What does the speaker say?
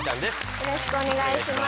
よろしくお願いします。